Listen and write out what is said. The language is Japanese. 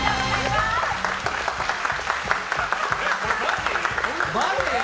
これマジ？